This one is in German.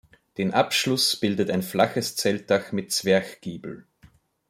Den Abschluss bildet ein flaches Zeltdach mit Zwerchgiebel.